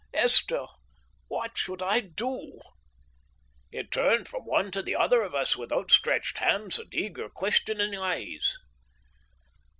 Esther, what should I do?" He turned from one to the other of us with outstretched hands and eager, questioning eyes.